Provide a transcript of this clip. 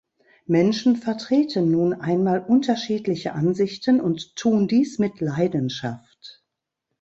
Menschen vertreten nun einmal unterschiedliche Ansichten und tun dies mit Leidenschaft.